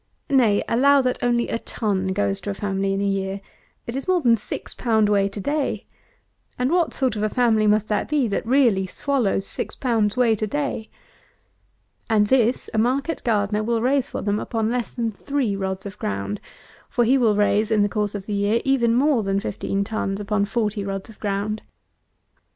Nay, allow that only a ton goes to a family in a year, it is more than six pound weight a day; and what sort of a family must that be that really swallows six pounds weight a day? and this a market gardener will raise for them upon less than three rods of ground; for he will raise, in the course of the year, even more than fifteen tons upon forty rods of ground.